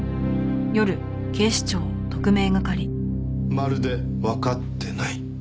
「まるでわかってない」？